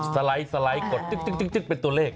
สไลด์กดเป็นตัวเลข